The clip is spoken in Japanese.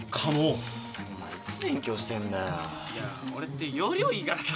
いや俺って要領いいからさ。